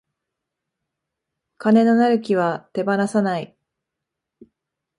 金のなる木は手放さない